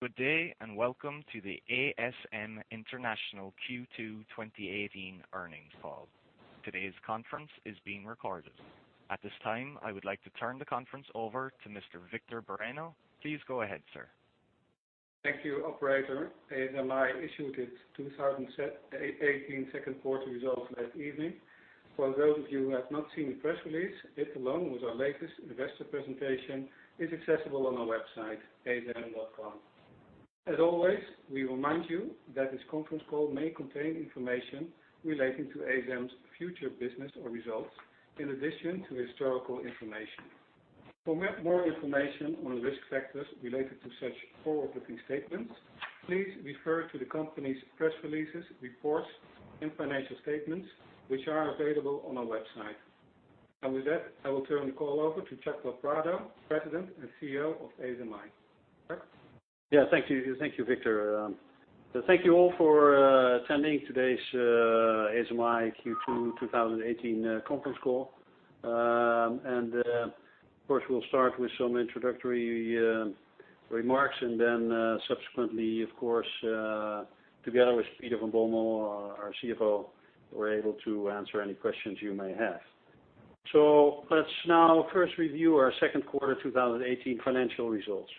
Good day, and welcome to the ASM International Q2 2018 earnings call. Today's conference is being recorded. At this time, I would like to turn the conference over to Mr. Victor Bareño. Please go ahead, sir. Thank you, operator. ASMI issued its 2018 second quarter results last evening. For those of you who have not seen the press release, it, along with our latest investor presentation, is accessible on our website, asmi.com. As always, we remind you that this conference call may contain information relating to ASMI's future business or results, in addition to historical information. For more information on risk factors related to such forward-looking statements, please refer to the company's press releases, reports, and financial statements, which are available on our website. With that, I will turn the call over to Chuck del Prado, President and CEO of ASMI. Chuck? Thank you, Victor. Thank you all for attending today's ASMI Q2 2018 conference call. Of course, we'll start with some introductory remarks and subsequently, of course, together with Peter van Bommel, our CFO, we're able to answer any questions you may have. Let's now first review our second quarter 2018 financial results.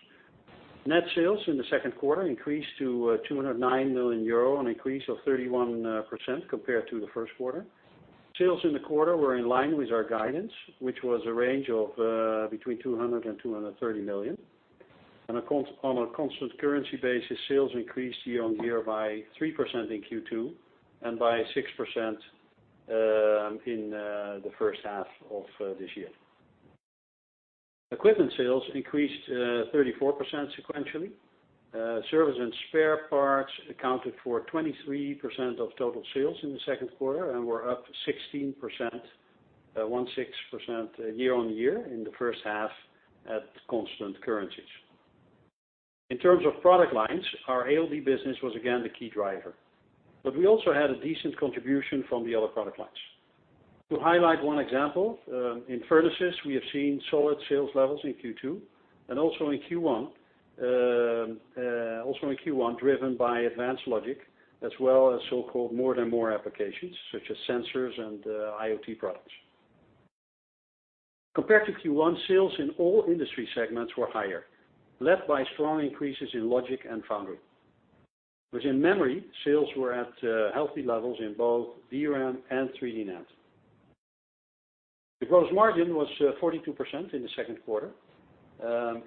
Net sales in the second quarter increased to 209 million euro, an increase of 31% compared to the first quarter. Sales in the quarter were in line with our guidance, which was a range of between 200 million and 230 million. On a constant currency basis, sales increased year-on-year by 3% in Q2, and by 6% in the first half of this year. Equipment sales increased 34% sequentially. Service and spare parts accounted for 23% of total sales in the second quarter and were up 16% year-on-year in the first half at constant currencies. In terms of product lines, our ALD business was again the key driver. We also had a decent contribution from the other product lines. To highlight one example, in furnaces, we have seen solid sales levels in Q2 and also in Q1, driven by advanced logic as well as so-called More than Moore applications such as sensors and IoT products. Compared to Q1, sales in all industry segments were higher, led by strong increases in logic and foundry. Within memory, sales were at healthy levels in both DRAM and 3D NAND. The gross margin was 42% in the second quarter.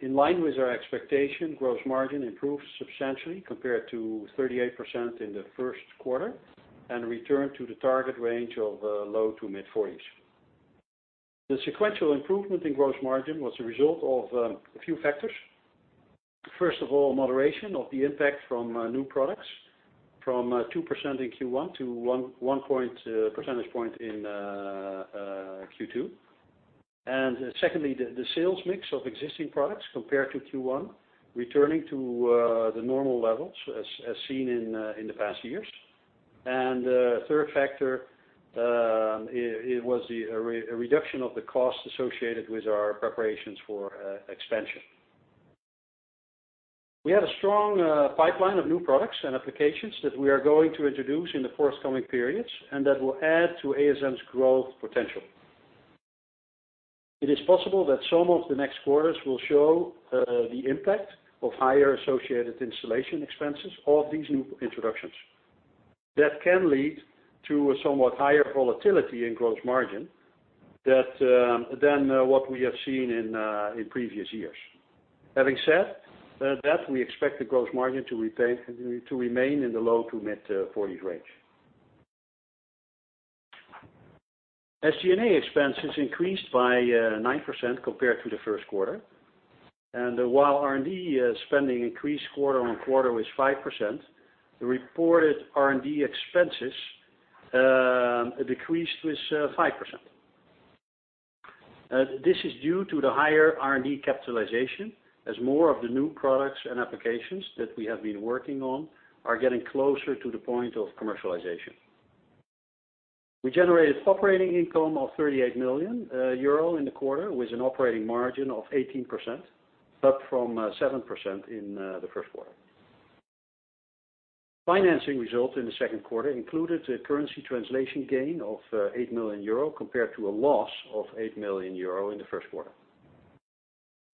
In line with our expectation, gross margin improved substantially compared to 38% in the first quarter and returned to the target range of low to mid-40s. The sequential improvement in gross margin was a result of a few factors. First of all, moderation of the impact from new products from 2% in Q1 to one percentage point in Q2. Secondly, the sales mix of existing products compared to Q1 returning to the normal levels as seen in the past years. Third factor, was the reduction of the cost associated with our preparations for expansion. We had a strong pipeline of new products and applications that we are going to introduce in the forthcoming periods, and that will add to ASMI's growth potential. It is possible that some of the next quarters will show the impact of higher associated installation expenses of these new introductions. That can lead to a somewhat higher volatility in gross margin than what we have seen in previous years. Having said that, we expect the gross margin to remain in the low to mid-40s range. SG&A expenses increased by 9% compared to the first quarter. While R&D spending increased quarter on quarter with 5%, the reported R&D expenses decreased with 5%. This is due to the higher R&D capitalization as more of the new products and applications that we have been working on are getting closer to the point of commercialization. We generated operating income of €38 million in the quarter, with an operating margin of 18%, up from 7% in the first quarter. Financing results in the second quarter included a currency translation gain of €8 million compared to a loss of €8 million in the first quarter.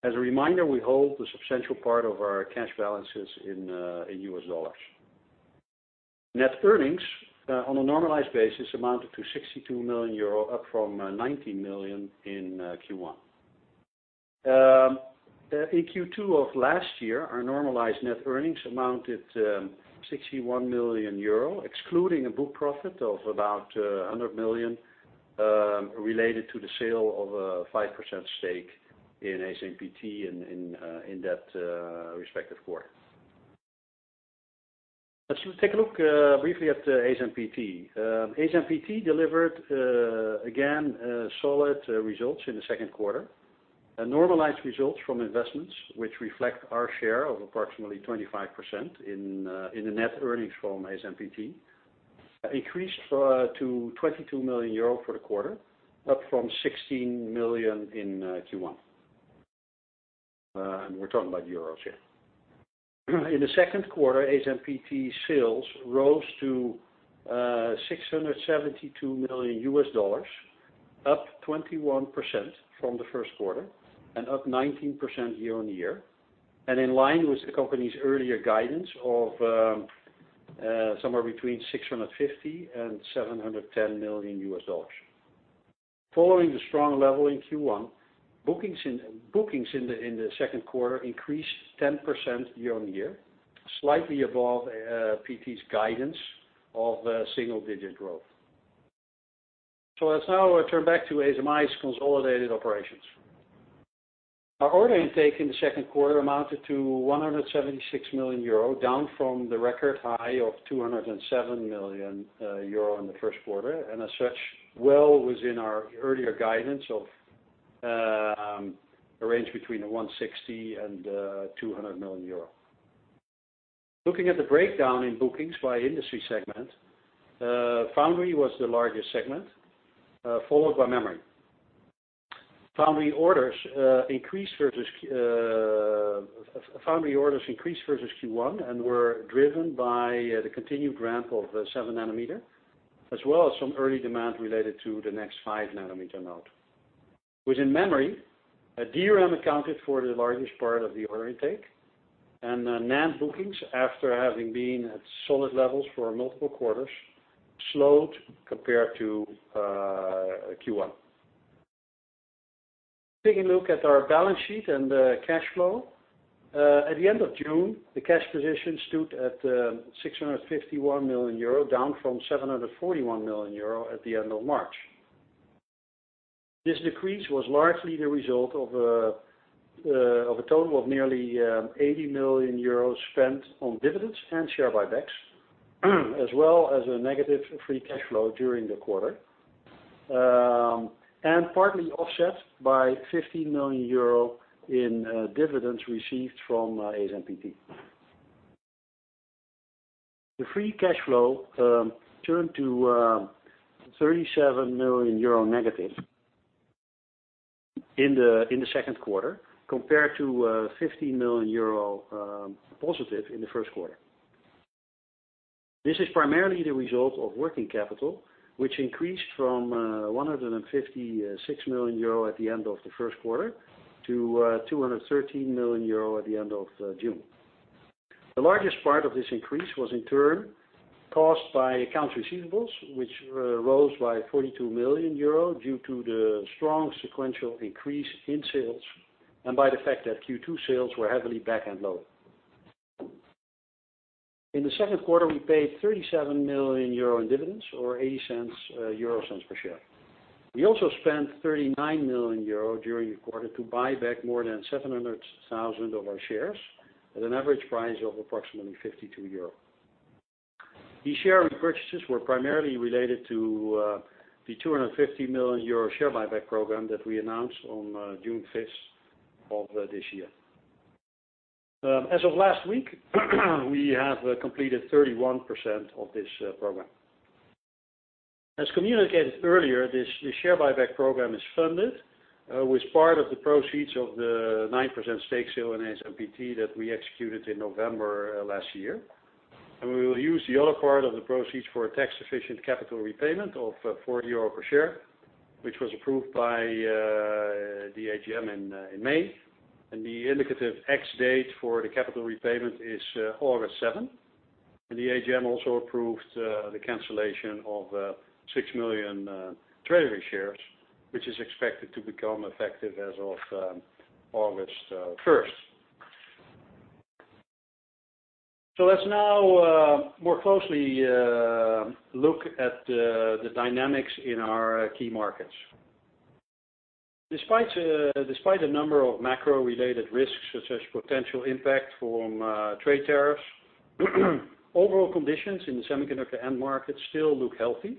As a reminder, we hold the substantial part of our cash balances in US dollars. Net earnings, on a normalized basis, amounted to €62 million, up from €19 million in Q1. In Q2 of last year, our normalized net earnings amounted to €61 million, excluding a book profit of about €100 million, related to the sale of a 5% stake in ASMPT in that respective quarter. Let's take a look briefly at ASMPT. ASMPT delivered again, solid results in the second quarter. Normalized results from investments, which reflect our share of approximately 25% in the net earnings from ASMPT increased to €22 million for the quarter, up from €16 million in Q1. We're talking about euros here. In the second quarter, ASMPT's sales rose to $672 million, up 21% from the first quarter and up 19% year-on-year, and in line with the company's earlier guidance of somewhere between $650 million and $710 million. Following the strong level in Q1, bookings in the second quarter increased 10% year-on-year, slightly above ASMPT's guidance of single-digit growth. Let's now turn back to ASMI's consolidated operations. Our order intake in the second quarter amounted to €176 million, down from the record high of €207 million in the first quarter. As such, well within our earlier guidance of a range between €160 million and €200 million. Looking at the breakdown in bookings by industry segment, foundry was the largest segment, followed by memory. Foundry orders increased versus Q1 and were driven by the continued ramp of seven nanometer, as well as some early demand related to the next five-nanometer node. Within memory, DRAM accounted for the largest part of the order intake, and NAND bookings, after having been at solid levels for multiple quarters, slowed compared to Q1. Taking a look at our balance sheet and cash flow. At the end of June, the cash position stood at 651 million euro, down from 741 million euro at the end of March. This decrease was largely the result of a total of nearly 80 million euros spent on dividends and share buybacks, as well as a negative free cash flow during the quarter, and partly offset by 15 million euro in dividends received from ASMPT. The free cash flow turned to 37 million euro negative in the second quarter, compared to 15 million euro positive in the first quarter. This is primarily the result of working capital, which increased from 156 million euro at the end of the first quarter to 213 million euro at the end of June. The largest part of this increase was in turn caused by accounts receivables, which rose by 42 million euro due to the strong sequential increase in sales and by the fact that Q2 sales were heavily back-end loaded. In the second quarter, we paid 37 million euro in dividends or 0.80 per share. We also spent 39 million euro during the quarter to buy back more than 700,000 of our shares at an average price of approximately 52 euro. These share repurchases were primarily related to the 250 million euro share buyback program that we announced on June 5th of this year. As of last week, we have completed 31% of this program. As communicated earlier, this share buyback program is funded with part of the proceeds of the 9% stake sale in ASMPT that we executed in November last year. We will use the other part of the proceeds for a tax-efficient capital repayment of 40 euro per share, which was approved by the AGM in May. The indicative ex-date for the capital repayment is August 7. The AGM also approved the cancellation of 6 million treasury shares, which is expected to become effective as of August 1st. Let's now more closely look at the dynamics in our key markets. Despite the number of macro-related risks, such as potential impact from trade tariffs, overall conditions in the semiconductor end market still look healthy,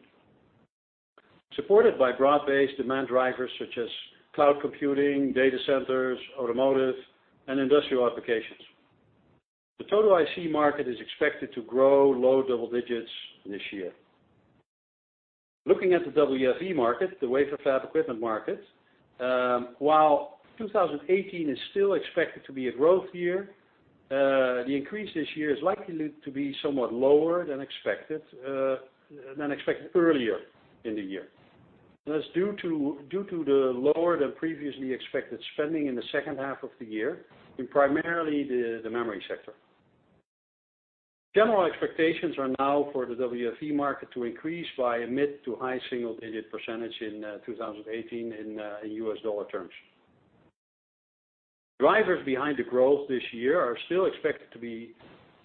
supported by broad-based demand drivers such as cloud computing, data centers, automotive, and industrial applications. The total IC market is expected to grow low double digits this year. Looking at the WFE market, the wafer fab equipment market, while 2018 is still expected to be a growth year, the increase this year is likely to be somewhat lower than expected earlier in the year. That's due to the lower than previously expected spending in the second half of the year, in primarily the memory sector. General expectations are now for the WFE market to increase by a mid- to high single-digit percentage in 2018 in U.S. dollar terms. Drivers behind the growth this year are still expected to be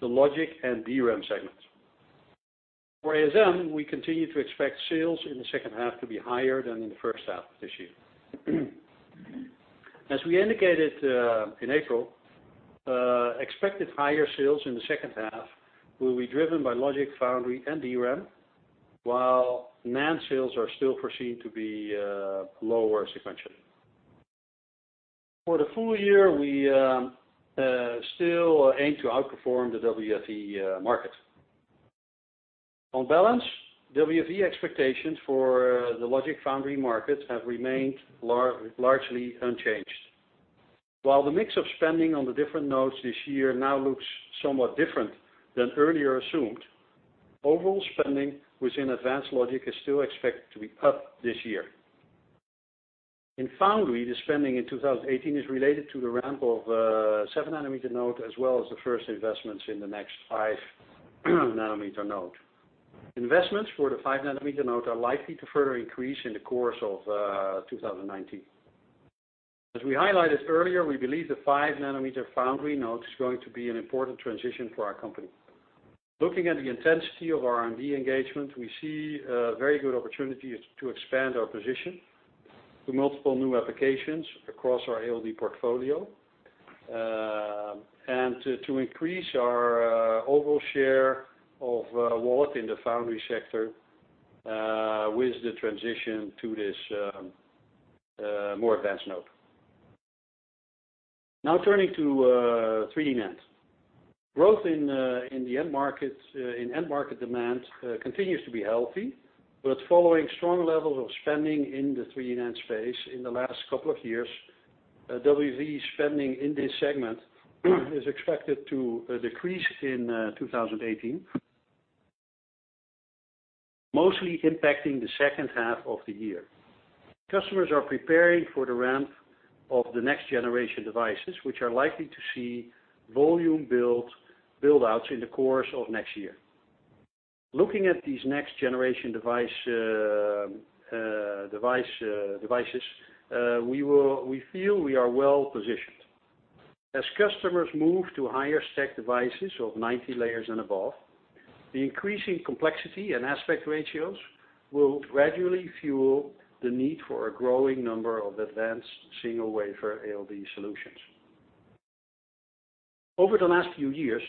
the logic and DRAM segments. For ASM, we continue to expect sales in the second half to be higher than in the first half of this year. As we indicated in April, expected higher sales in the second half will be driven by logic foundry and DRAM, while NAND sales are still perceived to be lower sequentially. For the full year, we still aim to outperform the WFE market. On balance, WFE expectations for the logic foundry markets have remained largely unchanged. While the mix of spending on the different nodes this year now looks somewhat different than earlier assumed, overall spending within advanced logic is still expected to be up this year. In foundry, the spending in 2018 is related to the ramp of seven nanometer node as well as the first investments in the next five nanometer node. Investments for the five nanometer node are likely to further increase in the course of 2019. As we highlighted earlier, we believe the five nanometer foundry node is going to be an important transition for our company. Looking at the intensity of R&D engagement, we see very good opportunities to expand our position to multiple new applications across our ALD portfolio, and to increase our overall share of wallet in the foundry sector with the transition to this more advanced node. Turning to 3D NAND. Growth in end market demand continues to be healthy, but following strong levels of spending in the 3D NAND space in the last couple of years, WFE spending in this segment is expected to decrease in 2018, mostly impacting the second half of the year. Customers are preparing for the ramp of the next generation devices, which are likely to see volume buildouts in the course of next year. Looking at these next generation devices, we feel we are well-positioned. As customers move to higher stack devices of 90 layers and above, the increasing complexity and aspect ratios will gradually fuel the need for a growing number of advanced single-wafer ALD solutions. Over the last few years,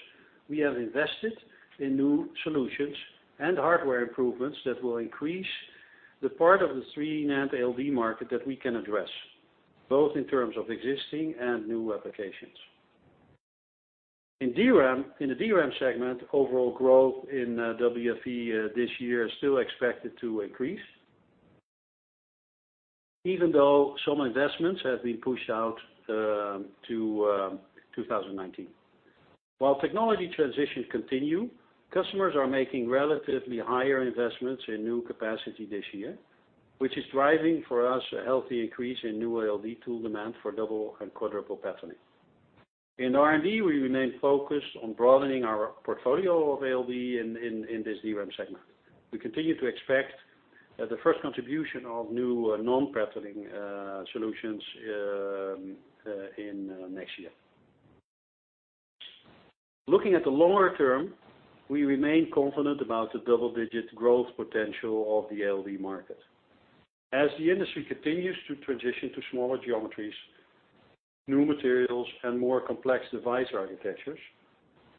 we have invested in new solutions and hardware improvements that will increase the part of the 3D NAND ALD market that we can address, both in terms of existing and new applications. In the DRAM segment, overall growth in WFE this year is still expected to increase even though some investments have been pushed out to 2019. Technology transitions continue, customers are making relatively higher investments in new capacity this year, which is driving for us a healthy increase in new ALD tool demand for double and quadruple patterning. In R&D, we remain focused on broadening our portfolio of ALD in this DRAM segment. We continue to expect the first contribution of new non-patterning solutions in next year. Looking at the longer term, we remain confident about the double-digit growth potential of the ALD market. As the industry continues to transition to smaller geometries, new materials, and more complex device architectures,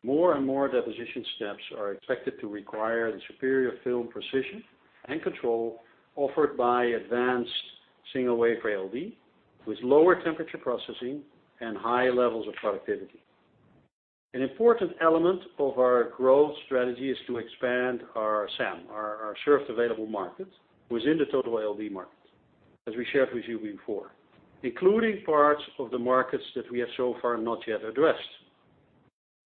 more and more deposition steps are expected to require the superior film precision and control offered by advanced single-wafer ALD with lower temperature processing and high levels of productivity. An important element of our growth strategy is to expand our SAM, our served available market, within the total ALD market, as we shared with you before, including parts of the markets that we have so far not yet addressed.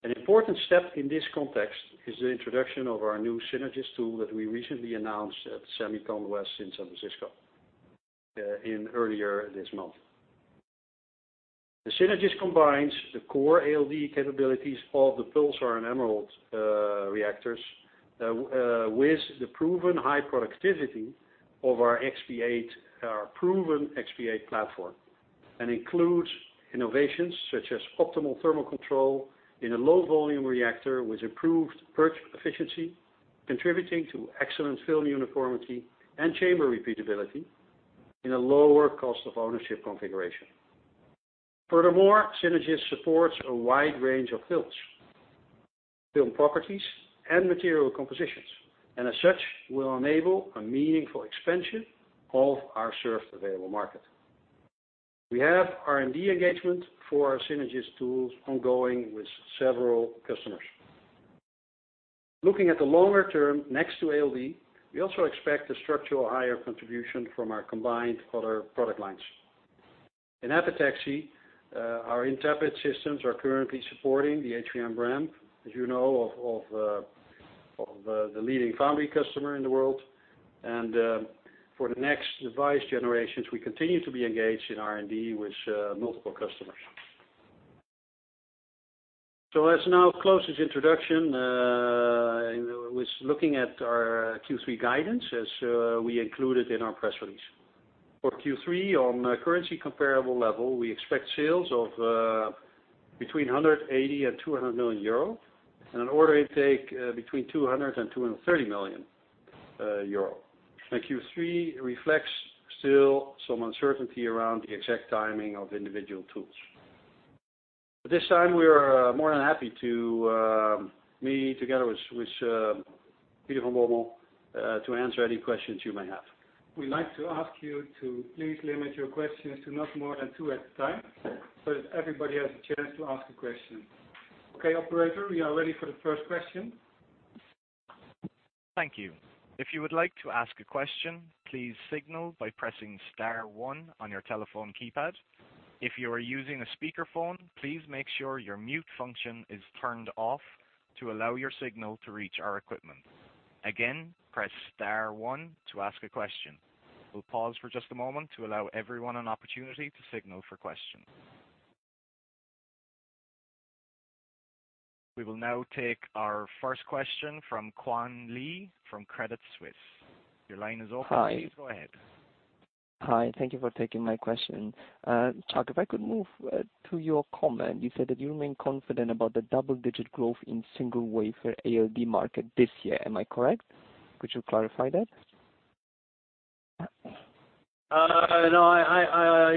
An important step in this context is the introduction of our new Synergis tool that we recently announced at SEMICON West in San Francisco earlier this month. The Synergis combines the core ALD capabilities of the Pulsar and EmerALD reactors, with the proven high productivity of our proven XP8 platform and includes innovations such as optimal thermal control in a low volume reactor with improved purge efficiency, contributing to excellent film uniformity and chamber repeatability in a lower cost of ownership configuration. Furthermore, Synergis supports a wide range of films, film properties, and material compositions, and as such, will enable a meaningful expansion of our served available market. We have R&D engagement for our Synergis tools ongoing with several customers. Looking at the longer term, next to ALD, we also expect a structural higher contribution from our combined other product lines. In epitaxy, our Intrepid systems are currently supporting the HVM ramp, as you know, of the leading foundry customer in the world. For the next device generations, we continue to be engaged in R&D with multiple customers. Let's now close this introduction with looking at our Q3 guidance as we included in our press release. For Q3 on a currency comparable level, we expect sales of between 180 million and 200 million euro, and an order intake between 200 million euro and 230 million euro. Q3 reflects still some uncertainty around the exact timing of individual tools. At this time, we are more than happy to meet together with Peter van Bommel to answer any questions you may have. We'd like to ask you to please limit your questions to not more than two at a time, so that everybody has a chance to ask a question. Okay, operator, we are ready for the first question. Thank you. If you would like to ask a question, please signal by pressing star one on your telephone keypad. If you are using a speakerphone, please make sure your mute function is turned off to allow your signal to reach our equipment. Again, press star one to ask a question. We'll pause for just a moment to allow everyone an opportunity to signal for questions. We will now take our first question from Kwan Lee from Credit Suisse. Your line is open. Hi. Please go ahead. Hi. Thank you for taking my question. Chuck, if I could move to your comment. You said that you remain confident about the double-digit growth in single wafer ALD market this year. Am I correct? Could you clarify that?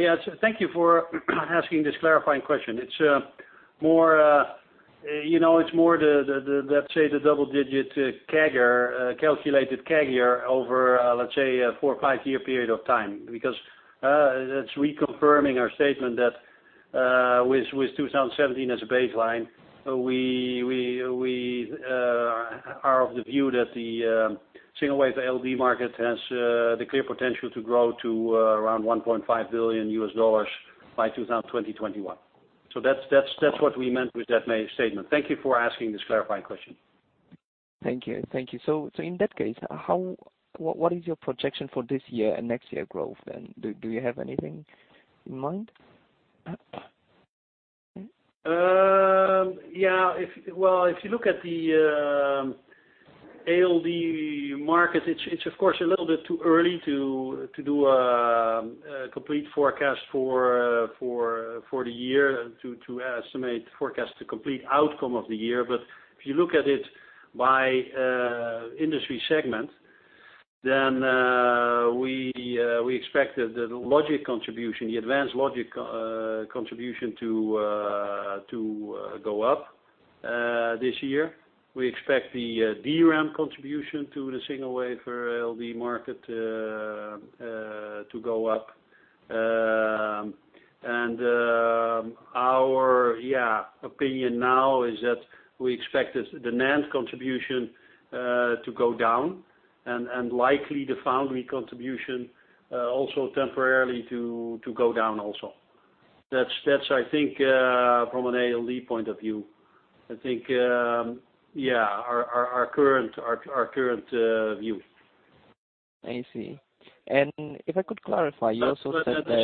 Yes. Thank you for asking this clarifying question. It's more the, let's say, the double-digit calculated CAGR over, let's say, a four or five-year period of time. Because it's reconfirming our statement that with 2017 as a baseline, we are of the view that the single wafer ALD market has the clear potential to grow to around EUR 1.5 billion by 2021. That's what we meant with that statement. Thank you for asking this clarifying question. Thank you. In that case, what is your projection for this year and next year growth, then? Do you have anything in mind? Yeah. If you look at the ALD market, it's of course a little bit too early to do a complete forecast for the year to estimate, forecast the complete outcome of the year. If you look at it by industry segment, then we expect that the logic contribution, the advanced logic contribution to go up this year. We expect the DRAM contribution to the single wafer ALD market to go up. Our opinion now is that we expect the NAND contribution to go down, and likely the foundry contribution also temporarily to go down also. That's I think from an ALD point of view, I think our current view. I see. If I could clarify, you also said that-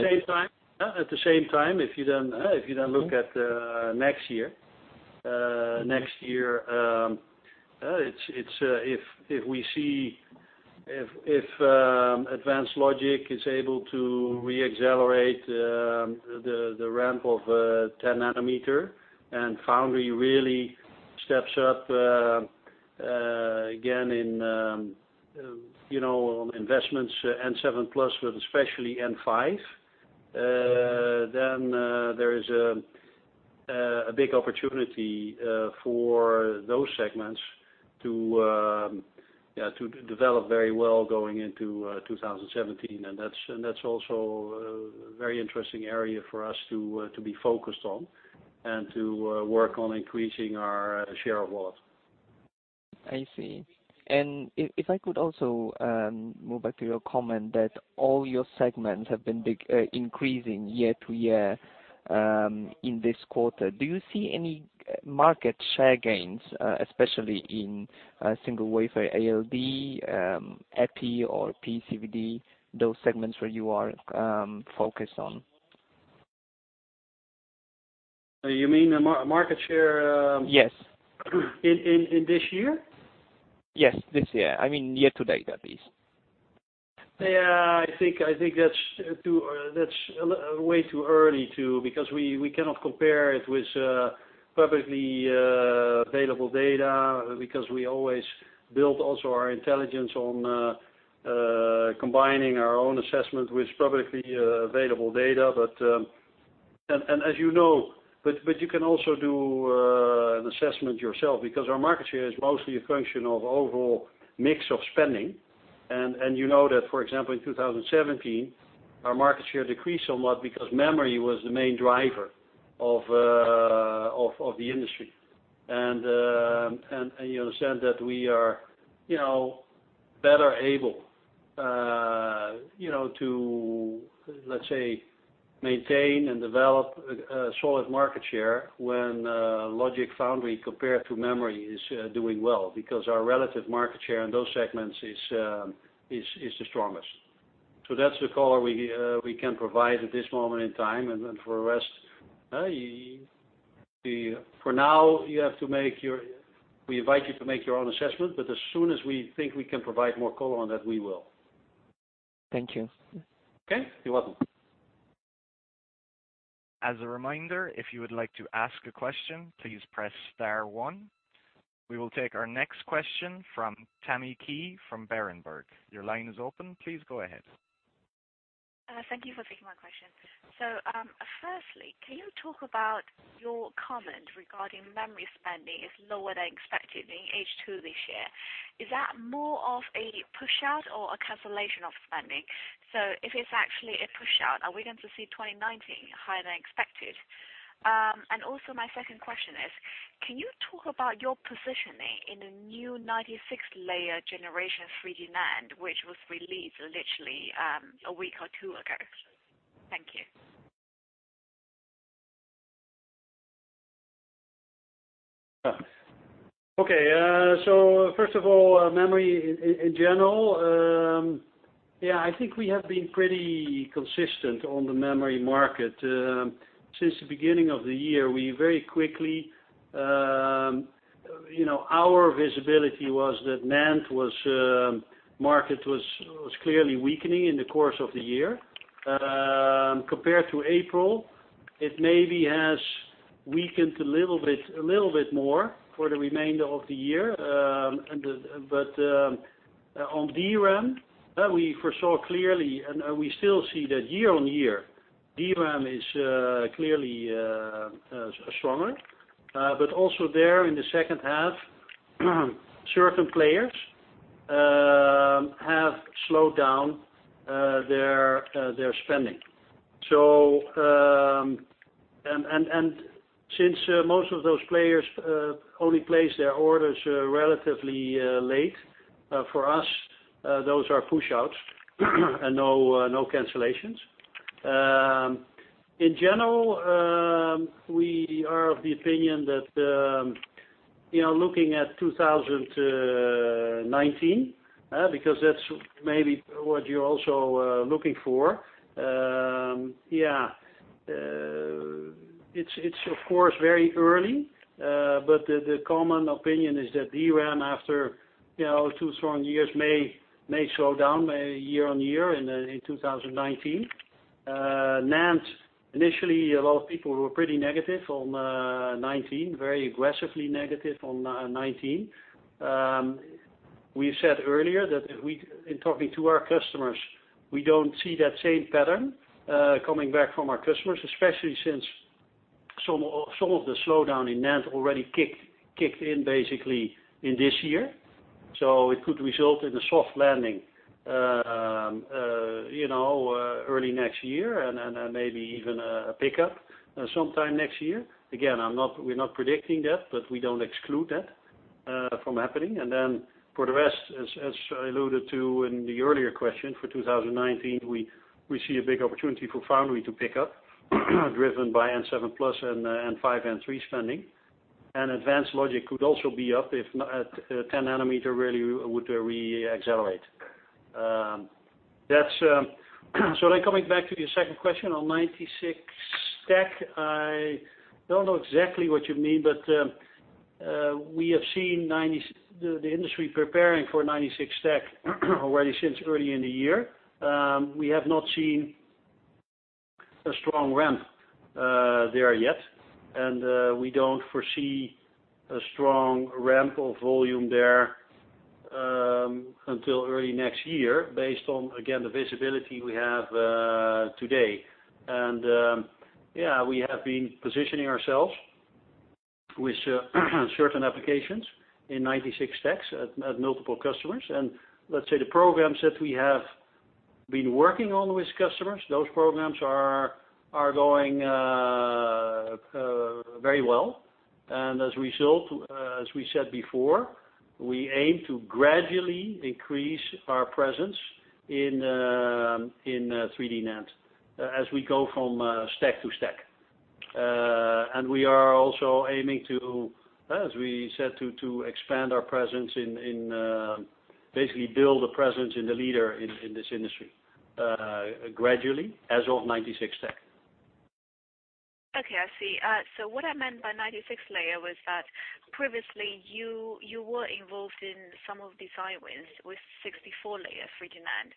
At the same time, if you then look at next year. Next year, if advanced logic is able to re-accelerate the ramp of 10 nanometer, and foundry really steps up again on investments N7 plus, but especially N5, there is a big opportunity for those segments to develop very well going into 2019. That's also a very interesting area for us to be focused on and to work on increasing our share of wallet. I see. If I could also move back to your comment that all your segments have been increasing year to year in this quarter. Do you see any market share gains, especially in single wafer ALD, EPI, or PECVD, those segments where you are focused on? You mean market share? Yes in this year? Yes, this year. I mean year to date, that is. Yeah. I think that's way too early to, because we cannot compare it with publicly available data because we always build also our intelligence on combining our own assessment with publicly available data. You can also do an assessment yourself, because our market share is mostly a function of overall mix of spending. You know that, for example, in 2017, our market share decreased somewhat because memory was the main driver of the industry. You understand that we are better able to, let's say, maintain and develop a solid market share when logic foundry, compared to memory, is doing well. Our relative market share in those segments is the strongest. That's the color we can provide at this moment in time, for the rest, for now, we invite you to make your own assessment, as soon as we think we can provide more color on that, we will. Thank you. Okay. You're welcome. As a reminder, if you would like to ask a question, please press star one. We will take our next question from Tammy Qiu from Berenberg. Your line is open. Please go ahead. Thank you for taking my question. Firstly, can you talk about your comment regarding memory spending is lower than expected in H2 this year? Is that more of a push-out or a cancellation of spending? If it's actually a push-out, are we going to see 2019 higher than expected? Also, my second question is: Can you talk about your positioning in the new 96-layer generation 3D NAND, which was released literally, a week or two ago? Thank you. Okay. First of all, memory in general, I think we have been pretty consistent on the memory market. Since the beginning of the year, our visibility was that NAND market was clearly weakening in the course of the year. Compared to April, it maybe has weakened a little bit more for the remainder of the year. On DRAM, that we foresaw clearly, and we still see that year-on-year, DRAM is clearly stronger. Also there in the second half, certain players have slowed down their spending. Since most of those players only place their orders relatively late, for us, those are push-outs and no cancellations. In general, we are of the opinion that, looking at 2019, because that's maybe what you're also looking for. It's of course very early, the common opinion is that DRAM after two strong years may slow down year-on-year in 2019. NAND, initially, a lot of people were pretty negative on 2019, very aggressively negative on 2019. We said earlier that in talking to our customers, we don't see that same pattern coming back from our customers, especially since some of the slowdown in NAND already kicked in basically in this year. It could result in a soft landing early next year and then maybe even a pickup sometime next year. Again, we're not predicting that, but we don't exclude that from happening. Then for the rest, as I alluded to in the earlier question, for 2019, we see a big opportunity for Foundry to pick up driven by N7+ and N5, N3 spending. Advanced logic could also be up if 10 nanometer really would re-accelerate. Coming back to your second question on 96 stack, I don't know exactly what you mean, we have seen the industry preparing for 96 stack already since early in the year. We have not seen a strong ramp there yet, and we don't foresee a strong ramp of volume there until early next year based on, again, the visibility we have today. Yeah, we have been positioning ourselves with certain applications in 96 stacks at multiple customers. Let's say the programs that we have been working on with customers, those programs are going very well. As a result, as we said before, we aim to gradually increase our presence in 3D NAND as we go from stack to stack. We are also aiming, as we said, to expand our presence in, basically, build a presence in the leader in this industry, gradually as of 96 stack. Okay. I see. What I meant by 96-layer was that previously you were involved in some of design wins with 64-layer 3D NAND.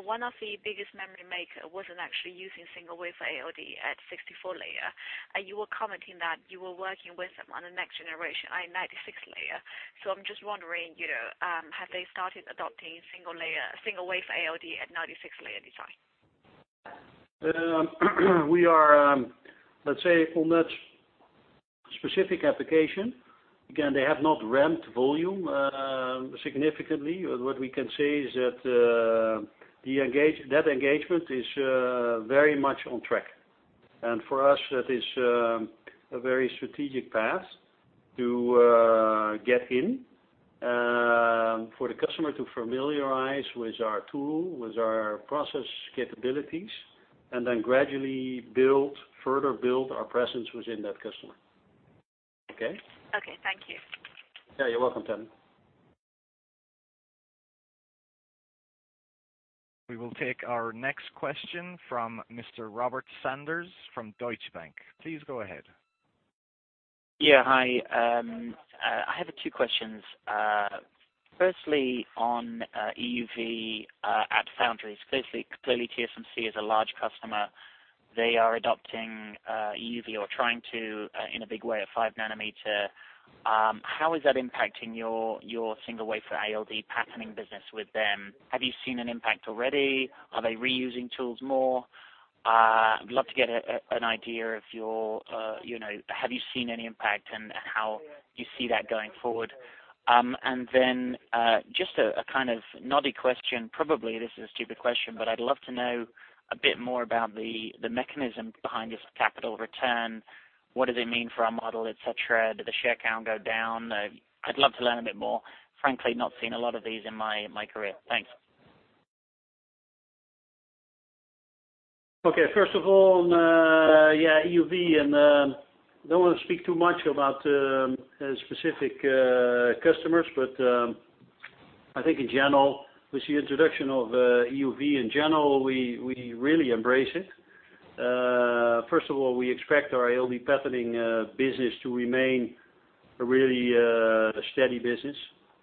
One of the biggest memory maker wasn't actually using single-wafer ALD at 64-layer. You were commenting that you were working with them on the next-generation, a 96-layer. I'm just wondering, have they started adopting single-wafer ALD at 96-layer design? We are, let's say, on that specific application, again, they have not ramped volume significantly. What we can say is that that engagement is very much on track. For us, that is a very strategic path to get in, for the customer to familiarize with our tool, with our process capabilities, and then gradually further build our presence within that customer. Okay? Okay. Thank you. Yeah, you're welcome, Tammy. We will take our next question from Mr. Robert Sanders from Deutsche Bank. Please go ahead. Yeah. Hi. I have two questions. Firstly, on EUV at Foundries. Clearly, TSMC is a large customer. They are adopting EUV or trying to in a big way at five nanometer. How is that impacting your single wafer ALD patterning business with them? Have you seen an impact already? Are they reusing tools more? I'd love to get an idea of, have you seen any impact and how you see that going forward. Just a kind of naughty question. Probably this is a stupid question, but I'd love to know a bit more about the mechanism behind this capital return. What does it mean for our model, et cetera? Did the share count go down? I'd love to learn a bit more. Frankly, not seen a lot of these in my career. Thanks. Okay. First of all, yeah, EUV. Don't want to speak too much about specific customers, but I think in general, with the introduction of EUV in general, we really embrace it. First of all, we expect our ALD patterning business to remain a really steady business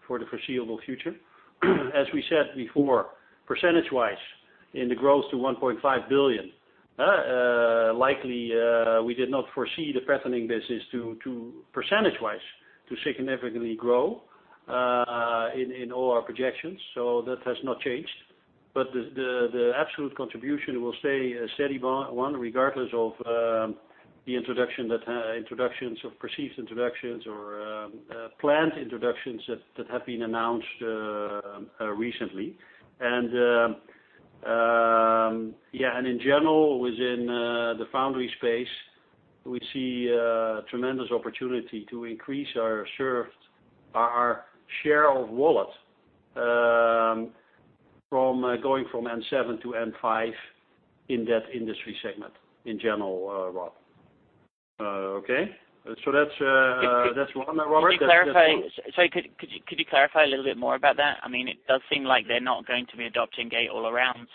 for the foreseeable future. As we said before, percentage-wise, in the growth to 1.5 billion, likely, we did not foresee the patterning business percentage-wise to significantly grow, in all our projections. That has not changed. The absolute contribution will stay a steady one, regardless of perceived introductions or planned introductions that have been announced recently. Yeah. In general, within the foundry space, we see tremendous opportunity to increase our share of wallet, going from N7 to N5 in that industry segment in general, Rob. Okay, so that's one, Robert? Sorry, could you clarify a little bit more about that? It does seem like they're not going to be adopting Gate-All-Around.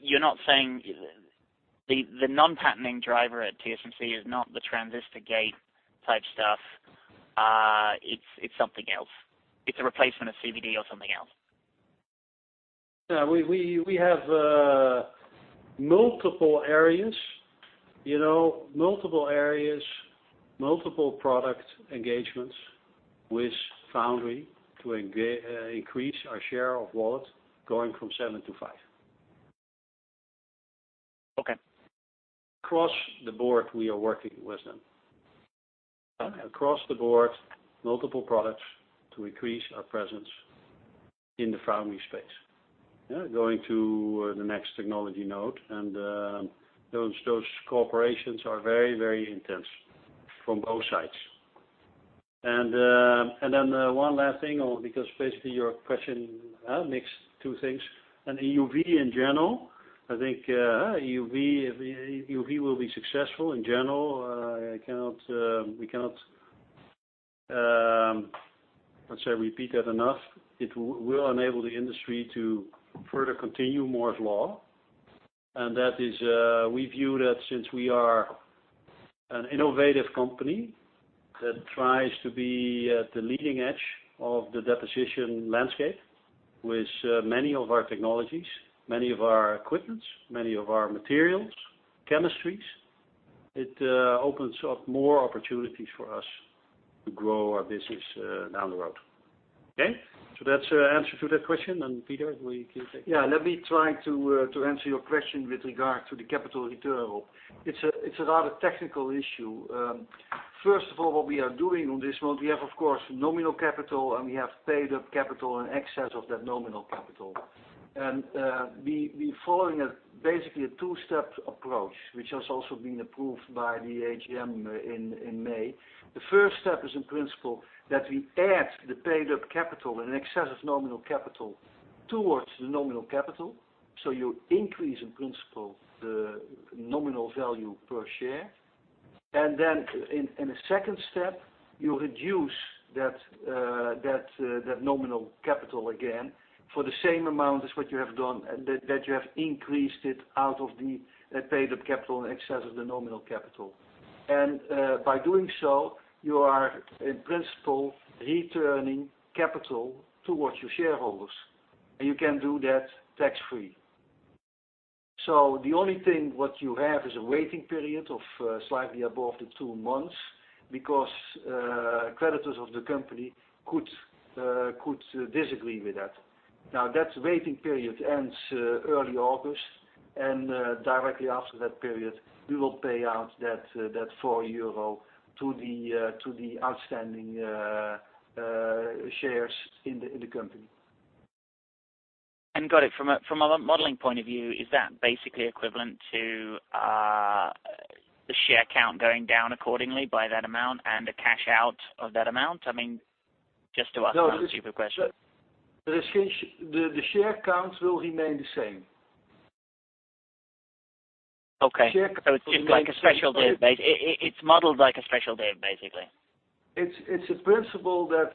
You're not saying the non-patterning driver at TSMC is not the transistor gate type stuff? It's something else. It's a replacement of CVD or something else. Yeah, we have multiple areas. Multiple areas, multiple product engagements with foundry to increase our share of wallet going from seven to five. Okay. Across the board, we are working with them. Okay. Across the board, multiple products to increase our presence in the foundry space. Yeah, going to the next technology node, those corporations are very, very intense from both sides. One last thing, because basically your question mixed two things. EUV in general, I think, EUV will be successful in general. We cannot, let's say repeat that enough. It will enable the industry to further continue Moore's Law. That is, we view that since we are an innovative company that tries to be at the leading edge of the deposition landscape with many of our technologies, many of our equipments, many of our materials, chemistries. It opens up more opportunities for us to grow our business down the road. Okay? That's the answer to that question. Peter, will you take it? Yeah, let me try to answer your question with regard to the capital return. It's rather a technical issue. First of all, what we are doing on this one, we have, of course, nominal capital, and we have paid up capital in excess of that nominal capital. We're following basically a two-step approach, which has also been approved by the AGM in May. The first step is in principle that we add the paid-up capital in excess of nominal capital towards the nominal capital. You increase in principle the nominal value per share. Then in the second step, you reduce that nominal capital again for the same amount as what you have done, that you have increased it out of the paid-up capital in excess of the nominal capital. By doing so, you are in principle returning capital towards your shareholders. You can do that tax-free. The only thing, what you have is a waiting period of slightly above the two months because creditors of the company could disagree with that. That waiting period ends early August, and directly after that period, we will pay out that 4 euro to the outstanding shares in the company. Got it. From a modeling point of view, is that basically equivalent to the share count going down accordingly by that amount and a cash out of that amount? Just to ask a stupid question. The share count will remain the same. Okay. It's modeled like a special div, basically. It's a principle that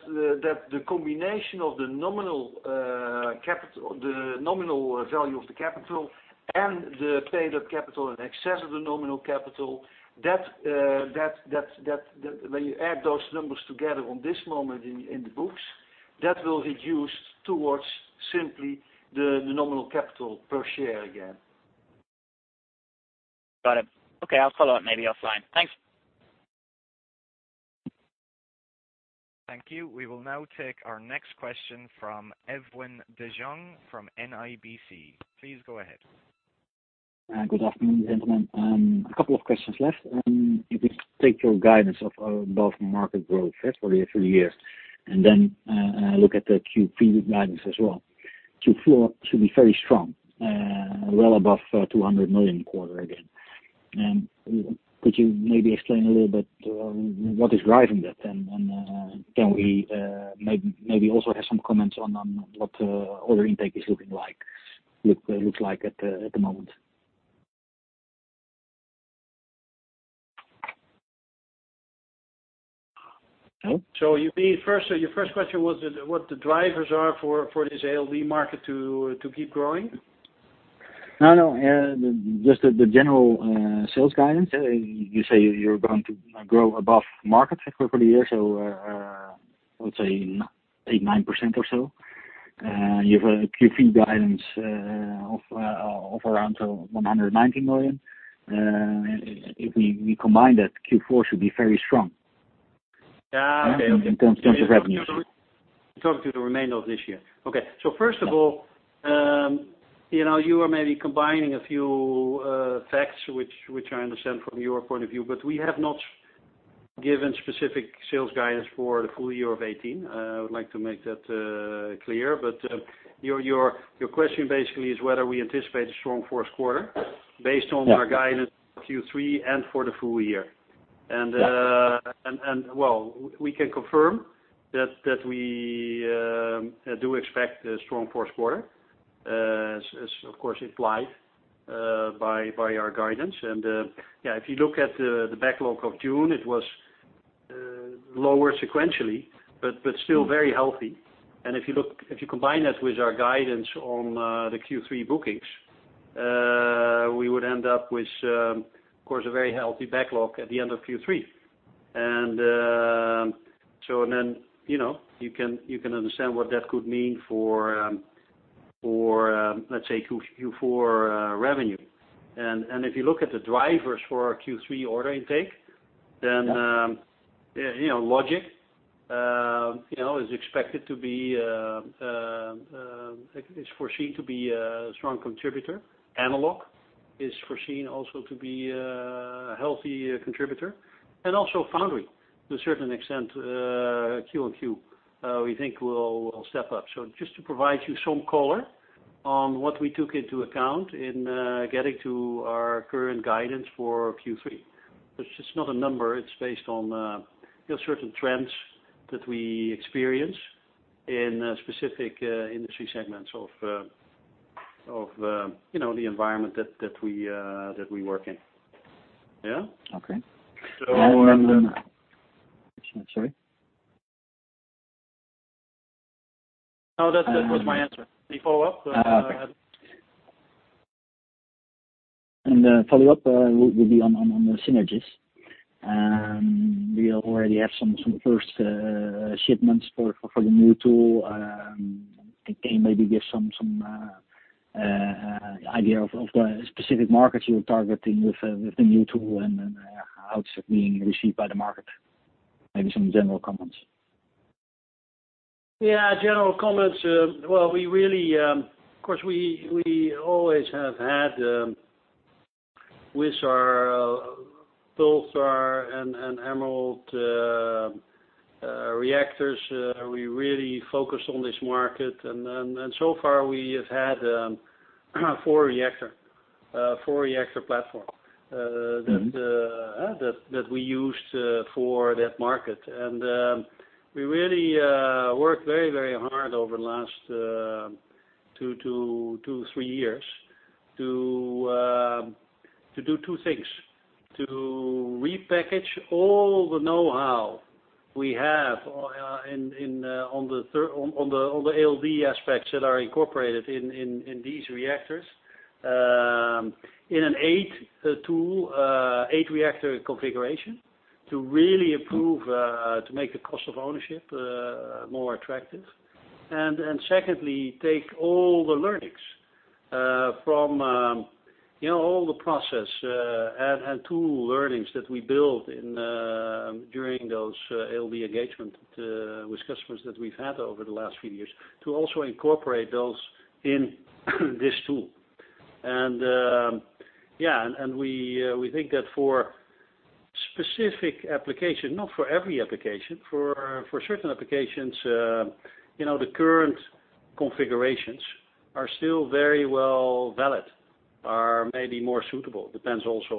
the combination of the nominal value of the capital and the paid-up capital in excess of the nominal capital. When you add those numbers together on this moment in the books. That will reduce towards simply the nominal capital per share again. Got it. Okay. I'll follow up maybe offline. Thanks. Thank you. We will now take our next question from Edwin de Jong from NIBC. Please go ahead. Good afternoon, gentlemen. A couple of questions left. If we take your guidance of above market growth for the full year, and then look at the Q3 guidance as well. Q4 should be very strong, well above 200 million quarter again. Could you maybe explain a little bit what is driving that, and can we maybe also have some comments on what order intake looks like at the moment? Your first question was what the drivers are for this ALD market to keep growing? No, just the general sales guidance. You say you're going to grow above market for the year, so let's say 8%, 9% or so. You have a Q3 guidance of around 190 million. If we combine that, Q4 should be very strong. Yeah. Okay. In terms of revenue. You're talking through the remainder of this year. Okay. First of all, you are maybe combining a few facts, which I understand from your point of view. We have not given specific sales guidance for the full year of 2018. I would like to make that clear. Your question basically is whether we anticipate a strong fourth quarter based on our guidance for Q3 and for the full year. Yes. Well, we can confirm that we do expect a strong fourth quarter, as of course implied by our guidance. If you look at the backlog of June, it was lower sequentially, but still very healthy. If you combine that with our guidance on the Q3 bookings, we would end up with, of course, a very healthy backlog at the end of Q3. Then you can understand what that could mean for, let's say, Q4 revenue. If you look at the drivers for our Q3 order intake, logic is foreseen to be a strong contributor. Analog is foreseen also to be a healthy contributor. Also foundry to a certain extent, Q on Q, we think will step up. Just to provide you some color on what we took into account in getting to our current guidance for Q3. It's just not a number. It's based on certain trends that we experience in specific industry segments of the environment that we work in. Yeah? Okay. So- Sorry. No, that was my answer. Any follow-up? Follow-up will be on the Synergies. Do you already have some first shipments for the new tool? Can you maybe give some idea of the specific markets you're targeting with the new tool and then how it's being received by the market? Maybe some general comments. Yeah, general comments. Of course, we always have had with our Pulsar and EmerALD reactors, we really focus on this market. So far, we have had four reactor platforms that we used for that market. We really worked very hard over the last two, three years to do two things. To repackage all the know-how we have on the ALD aspects that are incorporated in these reactors in an eight-tool, eight-reactor configuration to really improve, to make the cost of ownership more attractive. Secondly, take all the learnings from all the process and tool learnings that we built during those ALD engagement with customers that we've had over the last few years to also incorporate those in this tool. We think that for specific application, not for every application, for certain applications the current configurations are still very well valid. Are maybe more suitable, depends also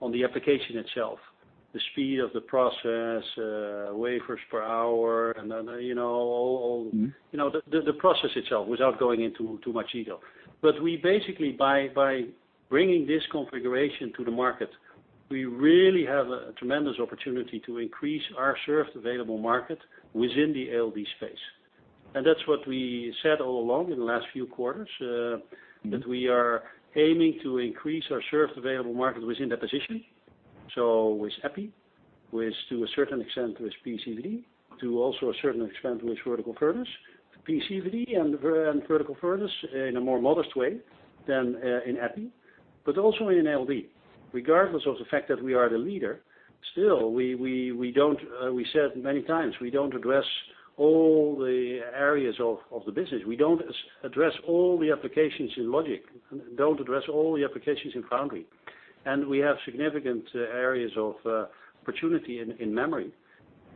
on the application itself, the speed of the process, wafers per hour, and the process itself without going into too much detail. We basically, by bringing this configuration to the market, we really have a tremendous opportunity to increase our served available market within the ALD space. That's what we said all along in the last few quarters, that we are aiming to increase our served available market within that position. With EPI, with, to a certain extent, with PECVD, to also a certain extent with vertical furnace. PECVD and vertical furnace in a more modest way than in EPI, but also in ALD. Regardless of the fact that we are the leader, still, we said many times, we don't address all the areas of the business. We don't address all the applications in logic, don't address all the applications in foundry. We have significant areas of opportunity in memory.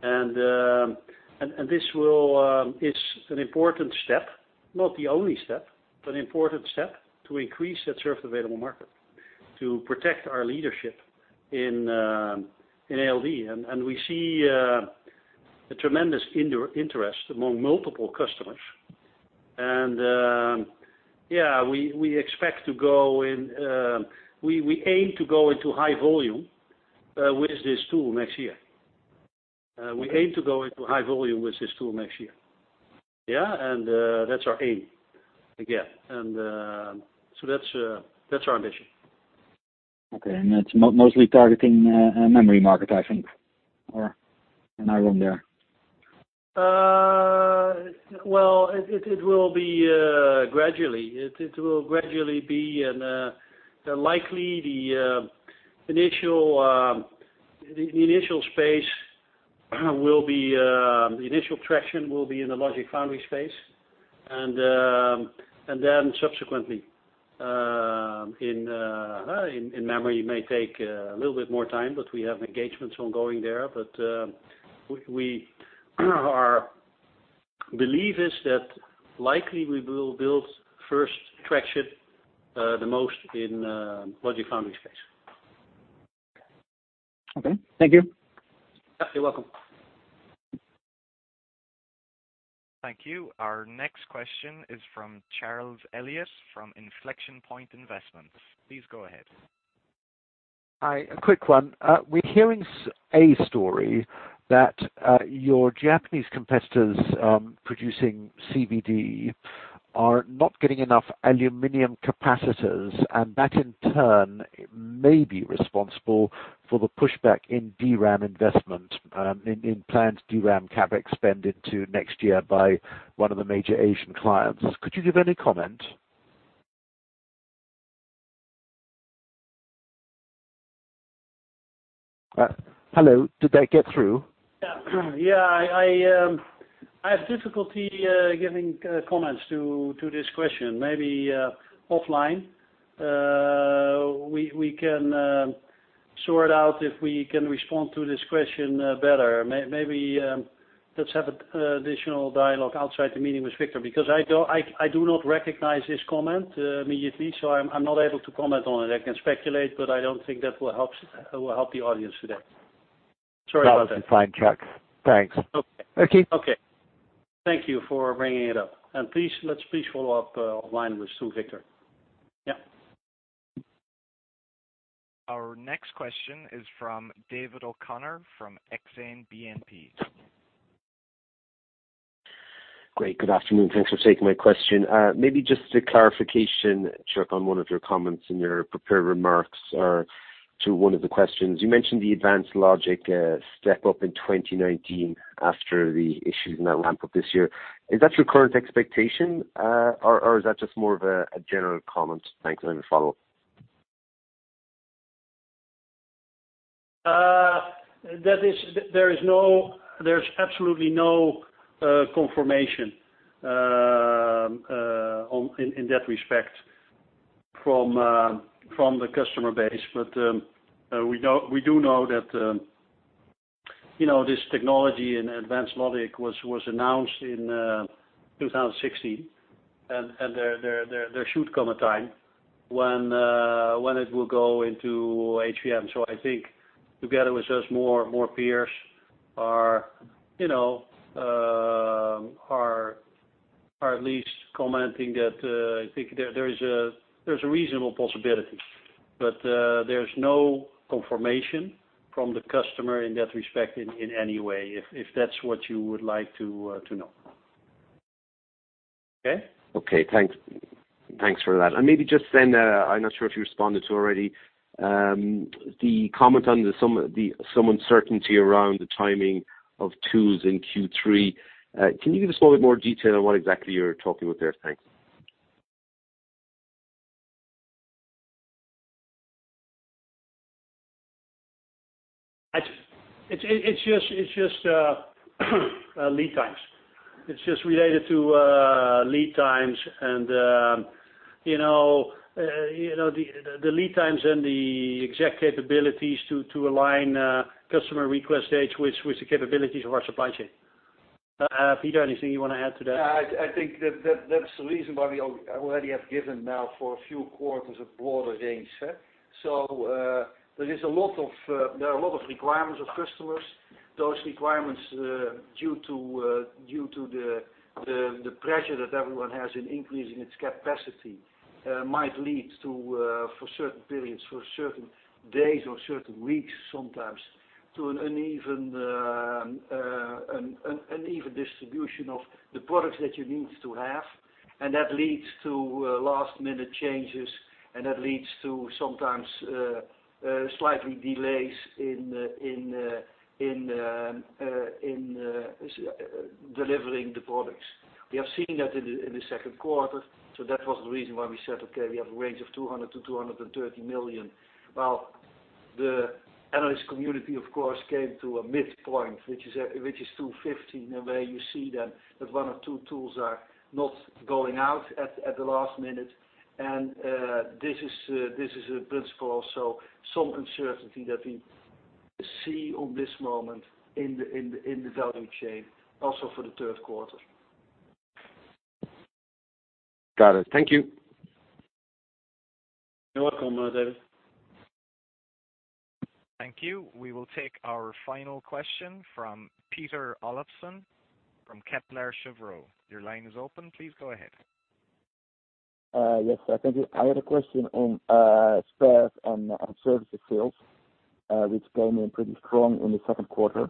This is an important step, not the only step, but an important step to increase that served available market, to protect our leadership in ALD. We see a tremendous interest among multiple customers. We aim to go into high volume with this tool next year. We aim to go into high volume with this tool next year. Yeah. That's our aim, again. So that's our ambition. Okay. That's mostly targeting memory market, I think. Or am I wrong there? Well, it will be gradually. It will gradually be, and likely the initial traction will be in the logic foundry space. Then subsequently, in memory, it may take a little bit more time, but we have engagements ongoing there. Our belief is that likely we will build first traction the most in logic foundry space. Okay. Thank you. You're welcome. Thank you. Our next question is from Charles Elliott from Inflection Point Investments. Please go ahead. Hi. A quick one. We're hearing a story that your Japanese competitors producing CVD are not getting enough aluminum capacitors, and that in turn may be responsible for the pushback in DRAM investment, in planned DRAM CapEx spend into next year by one of the major Asian clients. Could you give any comment? Hello? Did that get through? Yeah. I have difficulty giving comments to this question. Maybe offline, we can sort out if we can respond to this question better. Maybe let's have additional dialogue outside the meeting with Victor, because I do not recognize this comment immediately, so I'm not able to comment on it. I can speculate, but I don't think that will help the audience today. Sorry about that. That's fine, Chuck. Thanks. Okay. Okay. Thank you for bringing it up. Let's please follow up offline with Victor. Yeah. Our next question is from David O'Connor from Exane BNP. Great. Good afternoon. Thanks for taking my question. Maybe just a clarification, Chuck, on one of your comments in your prepared remarks, or to one of the questions. You mentioned the advanced logic step up in 2019 after the issues and that ramp-up this year. Is that your current expectation? Or is that just more of a general comment? Thanks, then a follow-up. There's absolutely no confirmation in that respect from the customer base. We do know that this technology in advanced logic was announced in 2016, and there should come a time when it will go into HVM. I think together with us, more peers are at least commenting that there's a reasonable possibility. There's no confirmation from the customer in that respect in any way, if that's what you would like to know. Okay? Okay. Thanks for that. Maybe just then, I'm not sure if you responded to already, the comment on some uncertainty around the timing of tools in Q3. Can you give us a little bit more detail on what exactly you're talking about there? Thanks. It's just lead times. It's just related to lead times and the exact capabilities to align customer request date with the capabilities of our supply chain. Peter, anything you want to add to that? Yeah, I think that's the reason why we already have given now for a few quarters a broader range. There are a lot of requirements of customers. Those requirements, due to the pressure that everyone has in increasing its capacity, might lead to, for certain periods, for certain days or certain weeks sometimes to an uneven distribution of the products that you need to have. That leads to last-minute changes, and that leads to sometimes slight delays in delivering the products. We have seen that in the second quarter. That was the reason why we said, okay, we have a range of 200 million to 230 million. While the analyst community, of course, came to a midpoint, which is 250 million, where you see then that one or two tools are not going out at the last minute. This is a principle, some uncertainty that we see at this moment in the value chain, also for the third quarter. Got it. Thank you. You're welcome, David. Thank you. We will take our final question from Peter Olafsson from Kepler Cheuvreux. Your line is open. Please go ahead. Yes, thank you. I had a question on spares and services sales, which came in pretty strong in the second quarter.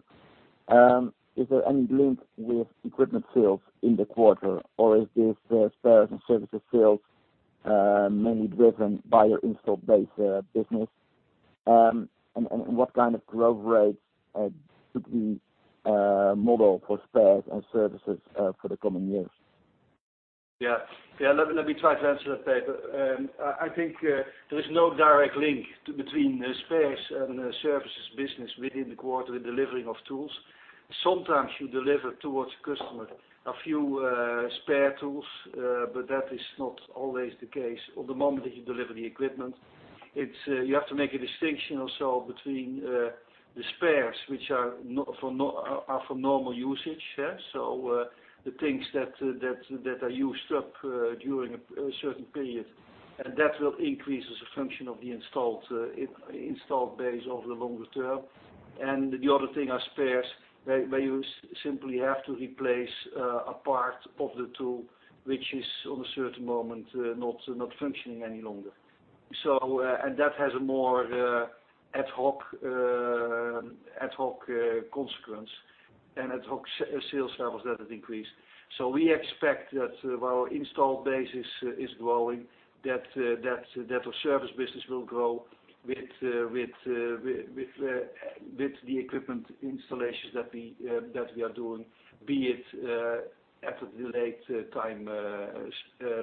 Is there any link with equipment sales in the quarter, or is this spares and services sales mainly driven by your installed base business? What kind of growth rates should we model for spares and services for the coming years? Let me try to answer that, Peter. I think there is no direct link between the spares and services business within the quarter in delivering of tools. Sometimes you deliver towards customer a few spare tools, but that is not always the case the moment that you deliver the equipment. You have to make a distinction also between the spares, which are for normal usage. The things that are used up during a certain period, and that will increase as a function of the installed base over the longer term. The other thing are spares, where you simply have to replace a part of the tool, which is on a certain moment not functioning any longer. That has a more ad hoc consequence and ad hoc sales levels that have increased. We expect that while our installed base is growing, that our service business will grow with the equipment installations that we are doing, be it at a delayed time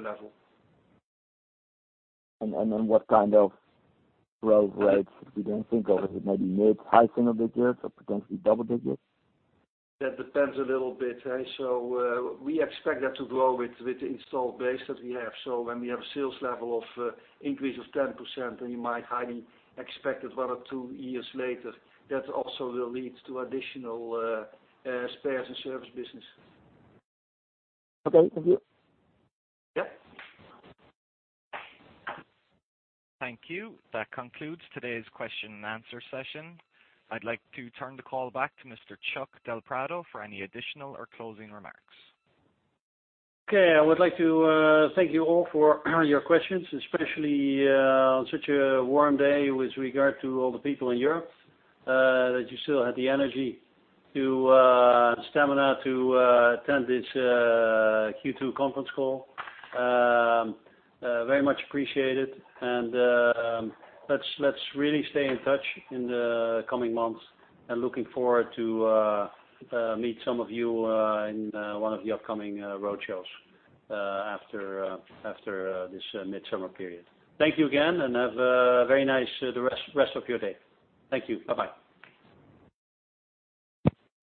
level. What kind of growth rates you then think of? Is it maybe mid-high single digits or potentially double digits? That depends a little bit. We expect that to grow with the installed base that we have. When we have a sales level of increase of 10%, then you might highly expect that one or two years later, that also will lead to additional spares and service business. Okay. Thank you. Yeah. Thank you. That concludes today's question and answer session. I'd like to turn the call back to Mr. Chuck del Prado for any additional or closing remarks. Okay. I would like to thank you all for your questions, especially on such a warm day with regard to all the people in Europe, that you still had the energy and stamina to attend this Q2 conference call. Very much appreciated. Let's really stay in touch in the coming months, and looking forward to meet some of you in one of the upcoming road shows after this midsummer period. Thank you again. Have a very nice rest of your day. Thank you. Bye-bye.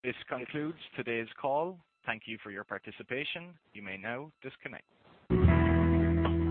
This concludes today's call. Thank you for your participation. You may now disconnect.